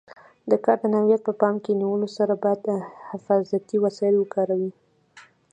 د کار د نوعیت په پام کې نیولو سره باید حفاظتي وسایل وکاروي.